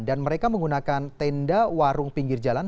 dan mereka menggunakan tenda warung pinggir jalan